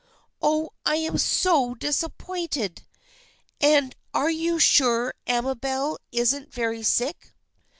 Oh, I am so disappointed ! And are you sure Amabel isn't very sick